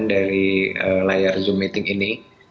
dari layar zoom meeting ini